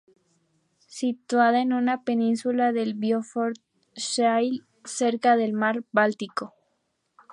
Situada en una península del fiordo "Schlei", cerca del mar Báltico.